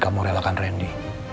kamu relakan randy